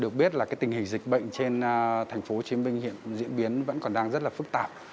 được biết là cái tình hình dịch bệnh trên tp hcm hiện diễn biến vẫn còn đang rất là phát triển